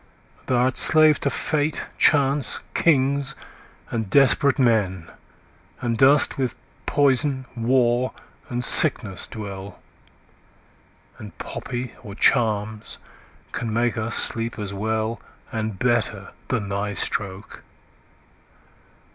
Thou'rt slave to fate, chance, kings, and desperate men, And dost with poison, war, and sickness dwell; 10 And poppy or charms can make us sleep as well And better than thy stroke.